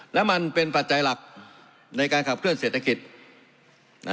และมันเป็นปัจจัยหลักในการขับเคลื่อเศรษฐกิจ